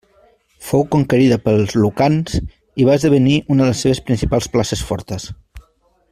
Fou conquerida pels lucans i va esdevenir una de les seves principals places fortes.